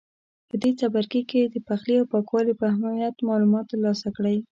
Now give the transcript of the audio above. په دې څپرکي کې د پخلي او پاکوالي په اهمیت معلومات ترلاسه کړئ.